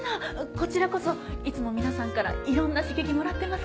こちらこそいつも皆さんからいろんな刺激もらってますから。